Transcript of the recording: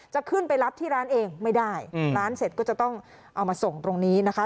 จะขึ้นไปรับที่ร้านเองไม่ได้ร้านเสร็จก็จะต้องเอามาส่งตรงนี้นะคะ